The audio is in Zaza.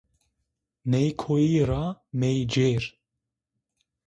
Nê koyî ra mê cêr!